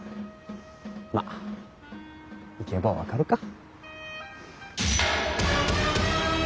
まっ行けば分かるか！